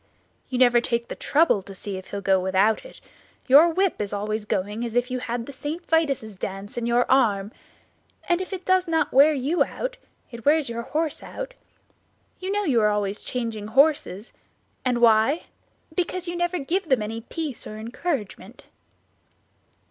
"You never take the trouble to see if he will go without it; your whip is always going as if you had the St. Vitus' dance in your arm, and if it does not wear you out it wears your horse out; you know you are always changing your horses; and why? Because you never give them any peace or encouragement."